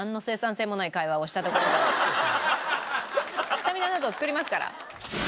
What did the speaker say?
スタミナ納豆作りますから。